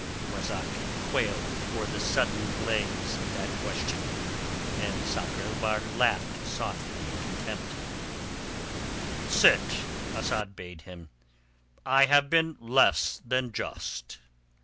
Marzak quailed before the sudden blaze of that question, and Sakr el Bahr laughed softly in contempt. "Sit," Asad bade him. "I have been less than just."